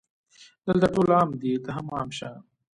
دلته ټول عام دي ته هم عام شه